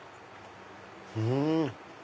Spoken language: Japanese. うん！